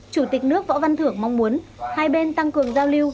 chủ tịch nước võ văn thưởng mong muốn hai bên tăng cường giao lưu